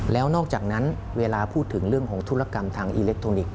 แล้วนอกจากนั้นเวลาพูดถึงเรื่องของธุรกรรมทางอิเล็กทรอนิกส